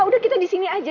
udah kita disini aja